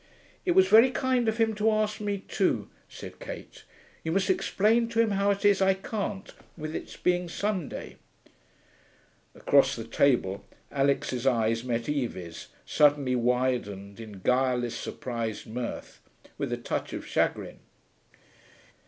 'It was very kind of him to ask me too,' said Kate. 'You must explain to him how it is I can't, with its being Sunday.' Across the table Alix's eyes met Evie's, suddenly widened in guileless, surprised mirth, with a touch of chagrin.